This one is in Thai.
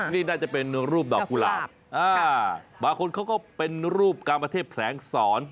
นี่น่าจะเป็นรูปดอกกุหลาบบางคนเขาก็เป็นรูปการประเทศแผลงสอน